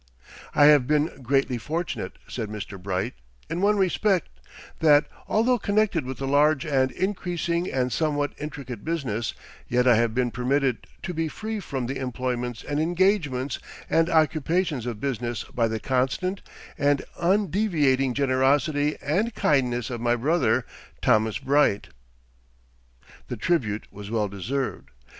"I have been greatly fortunate," said Mr. Bright, "in one respect that, although connected with a large and increasing and somewhat intricate business, yet I have been permitted to be free from the employments and engagements and occupations of business by the constant and undeviating generosity and kindness of my brother, Thomas Bright." The tribute was well deserved.